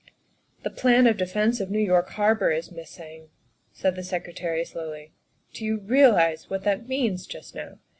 " The plan of defence of New York Harbor is miss ing," said the Secretary slowly. " Do you realize what that means just now?